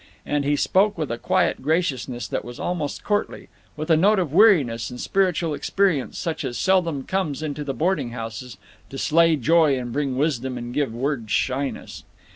And he spoke with a quiet graciousness that was almost courtly, with a note of weariness and spiritual experience such as seldom comes into the boarding houses, to slay joy and bring wisdom and give words shyness.